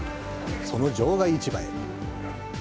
その場外市場へ。